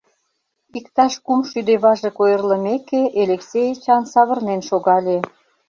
Иктаж кум шӱдӧ важык ойырлымеке, Элексей Эчан савырнен шогале.